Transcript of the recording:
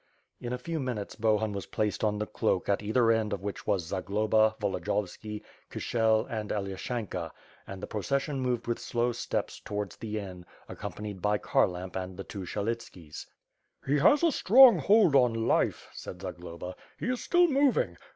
In a few minutes Bohun was placed on the cloak at either end of which was Zagloba, Volodiyovski, Kishel and Elyask enka and the procession moved with slow steps towards the inn, accompanied by Kharlamp and the two Syelitskis. "He has a strong hold on life," said Zagloba, he is still moving.